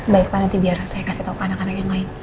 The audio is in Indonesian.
baik pak nanti biar saya kasih tau ke anak anak yang lain